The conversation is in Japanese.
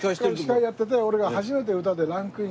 司会やってて俺が初めて歌でランクインした。